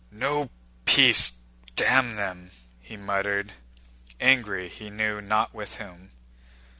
"No peace, damn them!" he muttered, angry he knew not with whom.